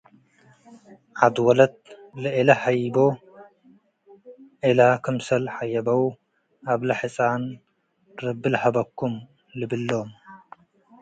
ዐድ ወለት ለእለ ሀይቦ ክለ ክምሰል ሐየበው፡ አብለ ሕጻን፡ “ረቢ ለሀበኩም!” ልብሎም ።